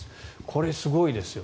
これ、すごいですよ。